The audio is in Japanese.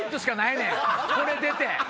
これ出て！